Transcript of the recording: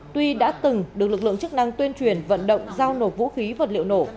tuy đã từng được lực lượng chức năng tuyên truyền vận động giao nộp vũ khí vật liệu nổ